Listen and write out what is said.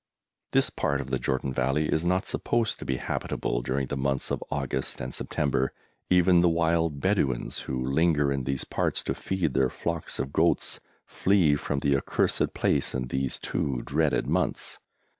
This part of the Jordan Valley is not supposed to be habitable during the months of August and September. Even the wild Bedouins, who linger in these parts to feed their flocks of goats, flee from the accursed place in these two dreaded months.